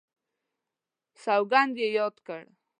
سوګند یې یاد کړ.